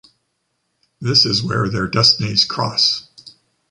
This is where their destinies cross.